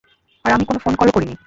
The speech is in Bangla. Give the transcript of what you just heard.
আর আমি কোন ফোন-কলও করিনি।